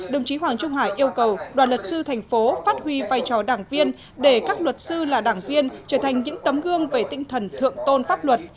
đồng chí hoàng trung hải yêu cầu đoàn luật sư thành phố phát huy vai trò đảng viên để các luật sư là đảng viên trở thành những tấm gương về tinh thần thượng tôn pháp luật